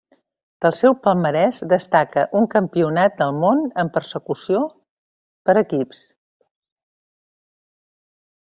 Del seu palmarès destaca un Campionat del món en persecució per equips.